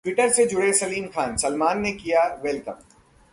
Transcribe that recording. Twitter से जुड़े सलीम खान, सलमान ने किया वेलकम